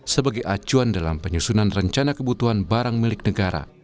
sebagai acuan dalam penyusunan rencana kebutuhan barang milik negara